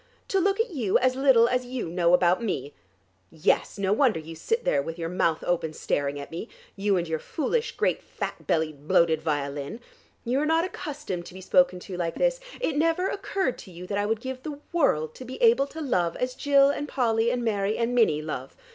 To look at you, as little as you know about me. Yes; no wonder you sit there with your mouth open staring at me, you and your foolish, great fat bellied bloated violin. You are not accustomed to be spoken to like this. It never occurred to you that I would give the world to be able to love as Jill and Polly and Mary and Minnie love.